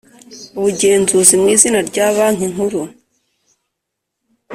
ubugenzuzi mu izina rya Banki Nkuru